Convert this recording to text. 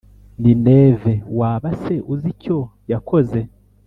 Nineve Waba se uzi icyo yakoze